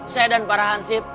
saya dan para hansip